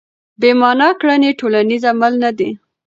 بې مانا کړنې ټولنیز عمل نه دی.